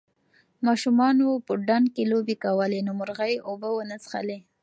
ماشومانو په ډنډ کې لوبې کولې نو مرغۍ اوبه ونه څښلې.